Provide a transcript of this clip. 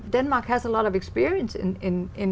hoặc các cộng đồng eu